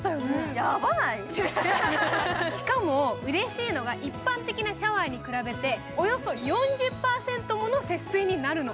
しかも、うれしいのが一般的なシャワーに比べておよそ４０％もの節水になるの。